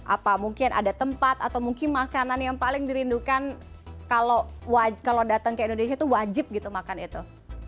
apa mungkin ada tempat atau mungkin makanan yang paling dirindukan kalau datang ke indonesia itu wajib gitu makan itu